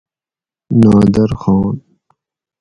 نادر خان